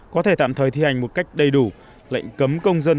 có thể tạm thời thi hành một cách đầy đủ lệnh cấm công dân